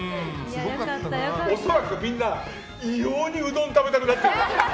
恐らく、みんな異様にうどんが食べたくなってる。